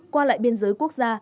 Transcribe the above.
qua lại biên giới quốc gia